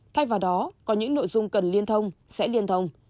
thay vào đó có những nội dung cần liên thông sẽ liên thông